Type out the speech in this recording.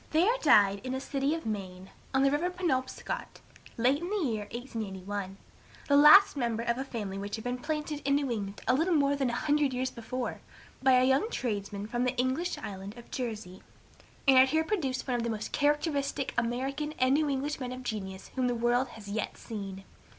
There died in a city of Maine, on the river Penobscot, late in the year 1881, the last member of a family which had been planted in New England a little more than a hundred years before, by a young tradesman from the English island of Jersey, and had here produced one of the most characteristic American and New English men of genius whom the world has yet seen.